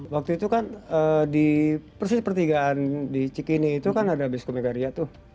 waktu itu kan di persis pertigaan di cikini itu kan ada biskumegaria tuh